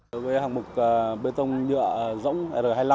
đối với hạng mục bê tông nhựa rỗng r hai mươi năm